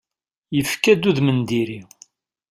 Yefka-d udem n diri.